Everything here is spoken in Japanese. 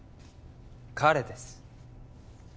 彼です